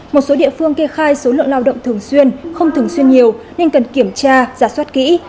một số địa phương kê khai số lượng lao động thường xuyên không thường xuyên nhiều nên cần kiểm tra giả soát kỹ